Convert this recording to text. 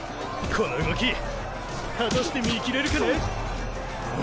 この動き果たして見きれるかな⁉ぐおっ！